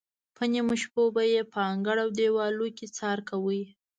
په نیمو شپو به یې په انګړ او دیوالونو کې څار کاوه.